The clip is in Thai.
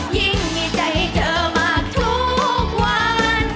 ยิ่งมีใจเธอมากทุกวัน